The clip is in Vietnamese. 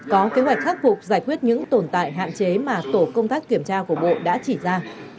có kế hoạch khắc phục giải quyết những tồn tại hạn chế mà tổ công tác kiểm tra của bộ đã chỉ ra